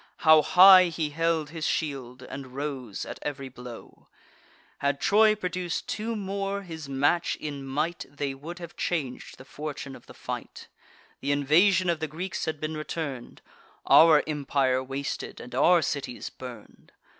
How high he held his shield, and rose at ev'ry blow! Had Troy produc'd two more his match in might, They would have chang'd the fortune of the fight: Th' invasion of the Greeks had been return'd, Our empire wasted, and our cities burn'd.